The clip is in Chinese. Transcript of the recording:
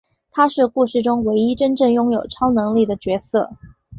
他是故事中唯一真正拥有超能力的角色。